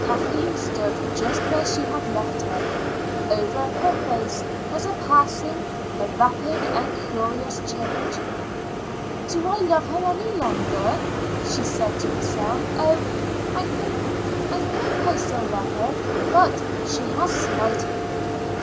Kathleen stood just where she had left her; over her face was passing a rapid and curious change. "Do I love her any longer?" she said to herself. "Oh, I think I think I love her still. But she has slighted me.